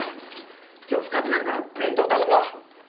今日深くなるから弁当頼むわ。